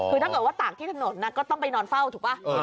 คือถ้าเกิดว่าตากที่ถนนก็ต้องไปนอนเฝ้าถูกป่ะ